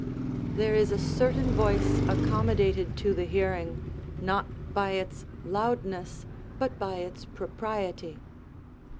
["There is a certain voice accommodated to the hearing, not by its loudness, but by its propriety."